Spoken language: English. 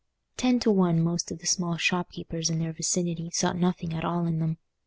Ten to one most of the small shopkeepers in their vicinity saw nothing at all in them.